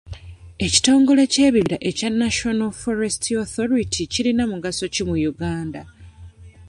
Ekitongole ky'ebibira ekya National Forestry Authority kirina mugaso ki mu Uganda?